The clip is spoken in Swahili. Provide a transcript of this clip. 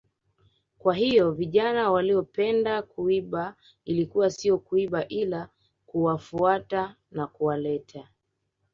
Kwa hiyo vijana walipoenda kuiba ilikuwa sio kuiba ila kuwafuata na kuwaleta